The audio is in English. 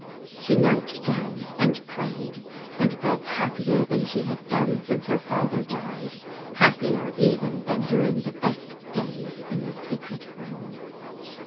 She knelt down and prayed and felt happier than she had done since her father died, happier even than during the best days in the secret room.